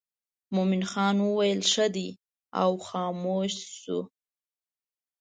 مومن خان ویل ښه دی او خاموش شو.